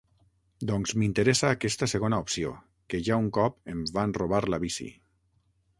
Doncs m'interessa aquesta segona opció, que ja un cop em van robar la bici.